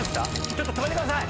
ちょっと止めてください。